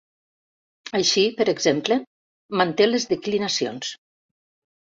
Així, per exemple, manté les declinacions.